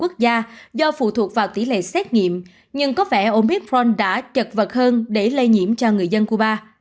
có vẻ như omicron đã chật vật hơn để lây nhiễm cho người dân cuba